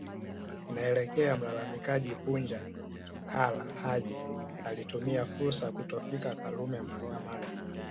Inaelekea mlalamikaji Punja Kara Haji alitumia fursa ya kutofika Karume mahakamani